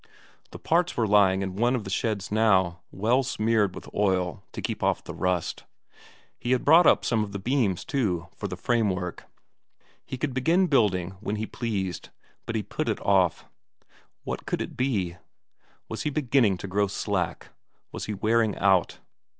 The parts were lying in one of the sheds now, well smeared with oil to keep off the rust. He had brought up some of the beams too, for the framework; he could begin building when he pleased, but he put it off. What could it be? was he beginning to grow slack, was he wearing out?